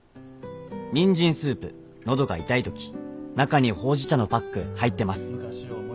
「にんじんスープ喉が痛い時」「中にほうじ茶のパック入ってます」